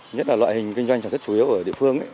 nhất là loại hình kinh doanh sản xuất chủ yếu ở địa phương